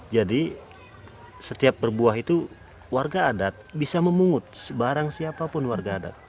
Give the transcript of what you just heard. jadi setiap berbuah itu warga adat bisa memungut barang siapapun warga adat